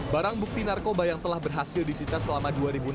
barang bukti narkoba yang telah berhasil disita selama dua ribu enam belas